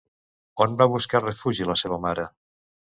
On va buscar refugi la seva mare?